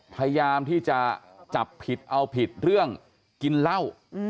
พยายามที่จะจับผิดเอาผิดเรื่องกินเหล้า